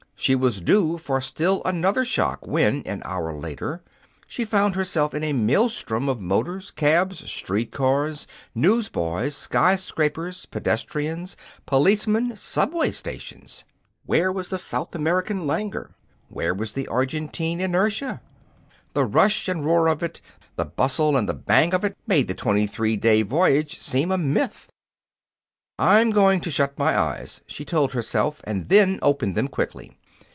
She was due for still another shock when, an hour later, she found herself in a maelstrom of motors, cabs, street cars, newsboys, skyscrapers, pedestrians, policemen, subway stations. Where was the South American languor? Where the Argentine inertia? The rush and roar of it, the bustle and the bang of it made the twenty three day voyage seem a myth. "I'm going to shut my eyes," she told herself, "and then open them quickly.